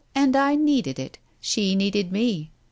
And I needed it. She needed me.